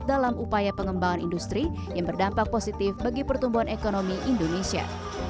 dalam upaya pengembangan industri yang berdampak positif bagi pertumbuhan ekonomi indonesia